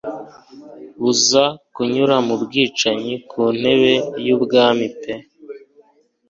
Buza kunyura mu bwicanyi ku ntebe y'ubwami pe